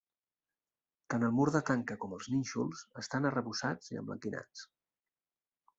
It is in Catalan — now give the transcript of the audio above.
Tant el mur de tanca com els nínxols estan arrebossats i emblanquinats.